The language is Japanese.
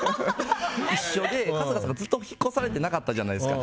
一緒で、春日さんがずっと引っ越されてなかったじゃないですか。